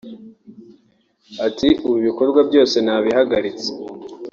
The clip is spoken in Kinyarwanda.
Ati “Ubu ibikorwa byose nabihagaritse